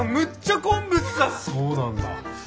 そうなんだ。